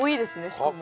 しかも。